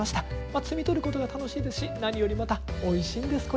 摘み取ることが楽しいですし何よりまたおいしいんですこれが。